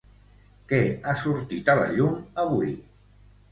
Què ha sortit a la llum avui?